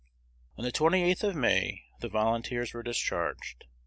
On the 28th of May the volunteers were discharged.